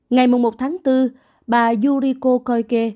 ngày một một tháng bốn bà yuriko koike